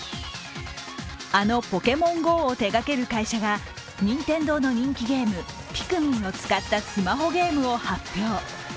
あの「ポケモンＧＯ」を手がける会社が任天堂の人気ゲーム、ピクミンを使ったスマホゲームを発表。